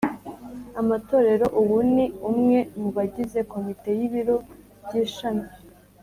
amatorero Ubu ni umwe mu bagize Komite y Ibiro by Ishami